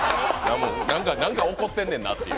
何か怒ってんねんなっていう。